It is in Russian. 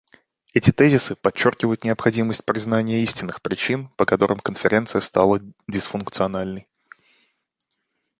Эти тезисы подчеркивают необходимость признания истинных причин, по которым Конференция стала дисфункциональной.